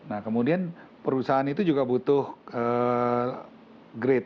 nah kemudian perusahaan itu juga butuh grade